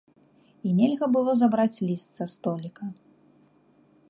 І нельга было забраць ліст са століка.